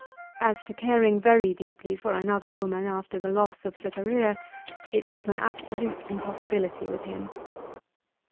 As to caring very deeply for another woman after the loss of Cytherea, it was an absolute impossibility with him.